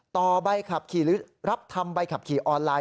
ต่อใบขับขี่หรือรับทำใบขับขี่ออนไลน